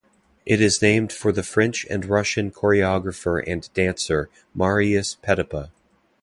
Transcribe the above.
It is named for the French and Russian choreographer and dancer Marius Petipa.